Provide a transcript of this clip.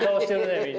みんな。